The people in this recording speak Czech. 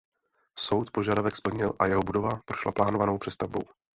Soud požadavek splnil a jeho budova prošla plánovanou přestavbou.